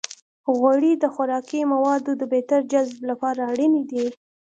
غوړې د خوراکي موادو د بهتر جذب لپاره اړینې دي.